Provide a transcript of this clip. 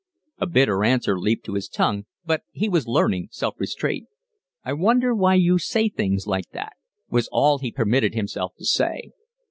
A bitter answer leaped to his tongue, but he was learning self restraint. "I wonder why you say things like that," was all he permitted himself to say.